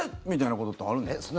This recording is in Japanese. みたいなことってあるんですか？